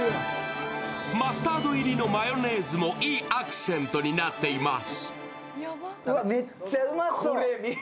マスタード入りのマヨネーズも、いいアクセントになっています。